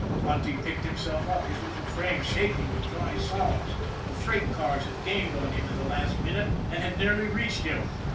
Bunty picked himself up, his little frame shaking with dry sobs. The freight cars had gained on him in the last minute, and had nearly reached him.